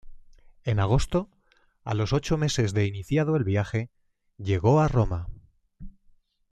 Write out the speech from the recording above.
En agosto, a los ocho meses de iniciado el viaje, llegó a Roma.